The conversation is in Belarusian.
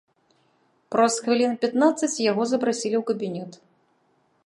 Праз хвілін пятнаццаць яго запрасілі ў кабінет.